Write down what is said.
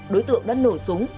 đối tượng đã nổ súng